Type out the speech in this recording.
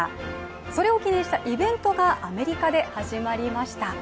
それを記念したイベントがアメリカで始まりました。